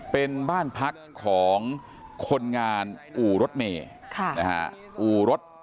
เป็นบ้านพักของคนงานอู่รถเมย์อู่รถ